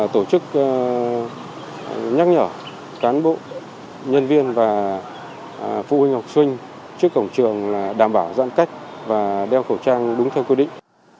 tổ chức nhắc nhở cán bộ nhân viên và phụ huynh học sinh trước cổng trường đảm bảo giãn cách và đeo khẩu trang đúng theo quy định